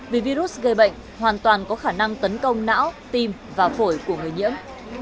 vì virus gây bệnh hoàn toàn có khả năng tấn công não tim và phổi của người nhiễm